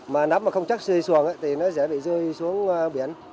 mà nắp mà không chắc xuôi xuồng ấy thì nó dễ bị rơi xuống biển